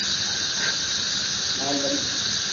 Lalm.